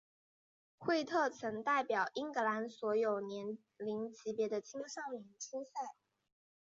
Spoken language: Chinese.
惠特曾代表英格兰所有年龄级别的青少队出赛。